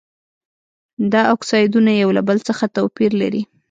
دا اکسایدونه یو له بل څخه توپیر لري.